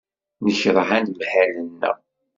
Nekṛeh anemhal-nneɣ.